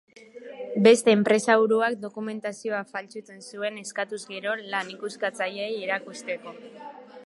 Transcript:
Beste enpresaburuak dokumentazioa faltsutzen zuen, eskatuz gero, lan-ikuskatzaileei erakusteko.